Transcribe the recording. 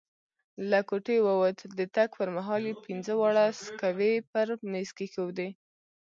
له کوټې ووت، د تګ پر مهال یې پینځه واړه سکوې پر میز کښېښودې.